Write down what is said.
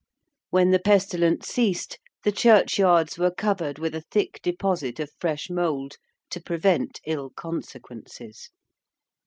When the pestilence ceased the churchyards were covered with a thick deposit of fresh mould to prevent ill consequences.